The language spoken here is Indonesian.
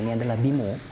ini adalah bimo